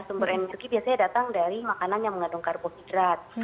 sumber energi biasanya datang dari makanan yang mengandung karbohidrat